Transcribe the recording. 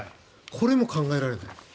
これも考えられない。